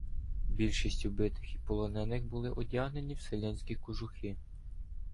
Більшість убитих і полонених були одягнені в селянські кожухи.